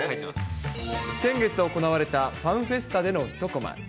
先月行われたファンフェスタでのひとこま。